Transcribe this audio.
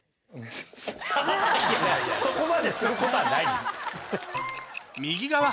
そこまですることはない。